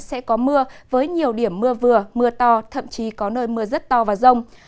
sẽ có mưa với nhiều điểm mưa vừa mưa to thậm chí có nơi mưa rất to và rông